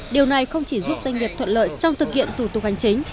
điều này không chỉ giúp doanh nghiệp thuận lợi trong thực hiện thủ tục hành chính